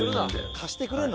貸してくれるの？